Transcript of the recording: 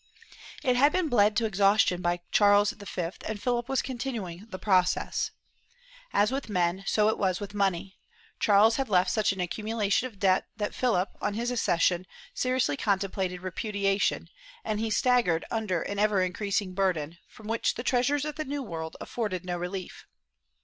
^ It had been bled to exhaustion by Charles V and Philip was continuing the process. As with men, so was it with money. Charles had left such an accumulation of debt that Philip, on his accession, seriously contemplated repudiation, and he staggered under an ever increasing burden, from which the treasures of the New World afforded no relief.